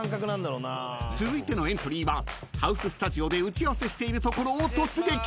［続いてのエントリーはハウススタジオで打ち合わせしているところを突撃！］